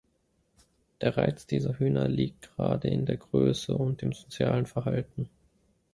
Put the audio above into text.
Der Reiz dieser Hühner liegt gerade in der Größe und dem sozialen Verhalten.